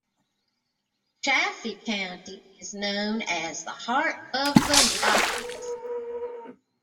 Chaffee County is known as the "Heart of the Rockies".